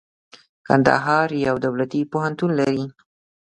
کندهار يو دولتي پوهنتون لري.